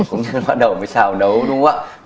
cũng như bắt đầu mới xào nấu đúng không ạ